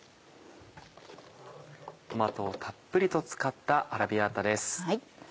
トマトをたっぷりと使ったアラビアータです。